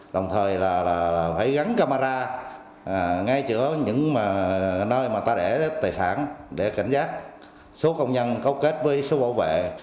đồng thời là phải gắn camera ngay chữa những nơi mà ta để tài sản để cảnh giác số công nhân cấu kết với số bảo vệ